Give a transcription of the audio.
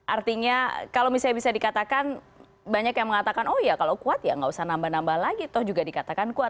artinya kalau misalnya bisa dikatakan banyak yang mengatakan oh ya kalau kuat ya nggak usah nambah nambah lagi toh juga dikatakan kuat